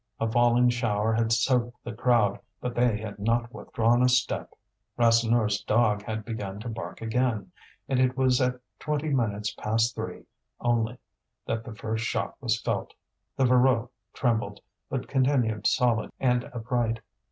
A falling shower had soaked the crowd, but they had not withdrawn a step. Rasseneur's dog had begun to bark again. And it was at twenty minutes past three only that the first shock was felt. The Voreux trembled, but continued solid and upright.